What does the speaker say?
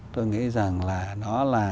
tôi nghĩ rằng là nó là